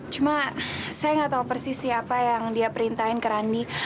cuma saya nggak tahu persis siapa yang dia perintahin ke randi